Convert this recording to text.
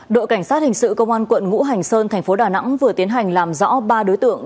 đội cảnh sát hình sự công an quận ngũ hành sơn thành phố đà nẵng vừa tiến hành làm rõ ba đối tượng